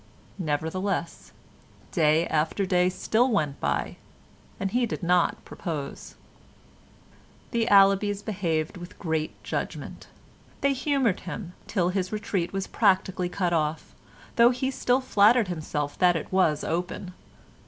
Nevertheless, day after day still went by and he did not propose. The Allabys behaved with great judgement. They humoured him till his retreat was practically cut off, though he still flattered himself that it was open.